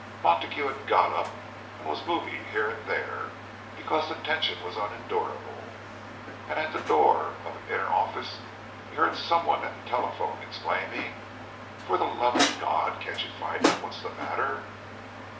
Montague had got up, and was moving here and there, because the tension was unendurable; and at the door of an inner office he heard some one at the telephone exclaiming, "For the love of God, can't you find out what's the matter?"